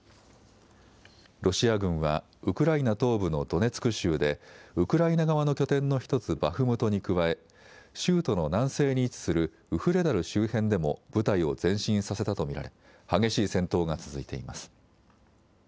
ロシア軍は、ウクライナ東部のドネツク州で、ウクライナ側の拠点の一つ、バフムトに加え、州都の南西に位置するウフレダル周辺でも部隊を前進させたと見られ、激しい戦闘が続いています。